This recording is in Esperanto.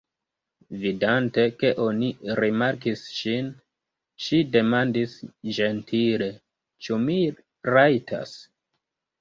Vidante, ke oni rimarkis ŝin, ŝi demandis ĝentile: Ĉu mi rajtas?